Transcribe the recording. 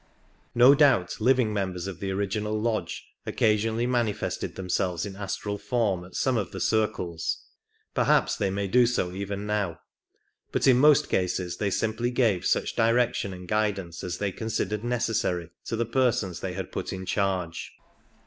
No doubt living members of the original lodge occasionally manifested themselves in astral form at some of the circles — perhaps they may do so even now; but in most cases they simply gave such direction and guidance as they con sidered necessary to the persons they had put in. charge.